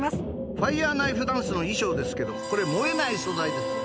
ファイヤーナイフ・ダンスの衣装ですけどこれ燃えない素材ですって。